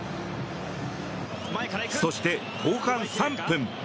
そして後半３分。